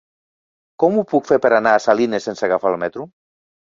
Com ho puc fer per anar a Salines sense agafar el metro?